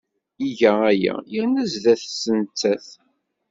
Iga aya yerna sdat-s nettat.